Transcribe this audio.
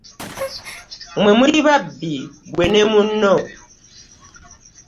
Mmwe muli babbi ggwe ne munno.